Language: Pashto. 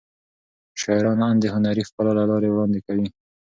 شاعران اند د هنري ښکلا له لارې وړاندې کوي.